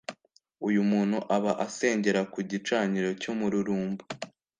Uyu muntu aba asengera ku gicaniro cy’umururumba.